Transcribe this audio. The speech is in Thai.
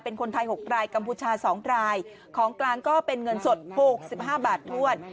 เป็นคนไทย๖รายกัมพูชา๒รายของกลางก็เป็นเงินสด๖๕บาทถ้วน